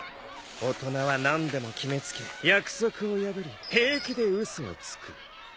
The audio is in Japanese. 大人は何でも決め付け約束を破り平気で嘘をつく。